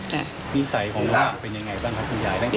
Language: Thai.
นิสัยของเขาเป็นยังไงบ้างครับผู้ใหญ่ตั้งแต่